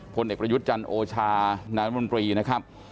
ผลเอกประยุทธ์จันทร์โอชานายมนตรีนะครับ